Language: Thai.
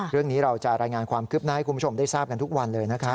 เรื่องนี้เราจะรายงานความคืบหน้าให้คุณผู้ชมได้ทราบกันทุกวันเลยนะครับ